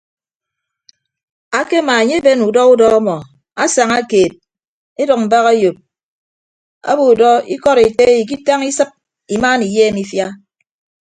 Akemaa enye eben udọ udọ ọmọ asaña keed edʌk mbak eyop abo udọ ikọd ete ikitañ isịp imaana iyeem ifia.